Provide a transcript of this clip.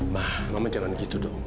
ma mama jangan gitu dong